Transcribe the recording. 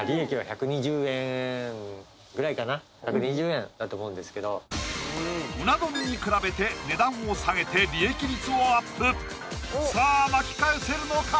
１２０円だと思うんですけど鰻丼に比べて値段を下げて利益率をアップさあ巻き返せるのか？